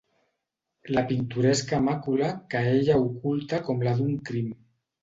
La pintoresca màcula que ella oculta com la d'un crim.